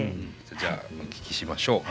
じゃあお聴きしましょう。